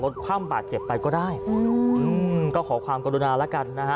คว่ำบาดเจ็บไปก็ได้อืมก็ขอความกรุณาแล้วกันนะฮะ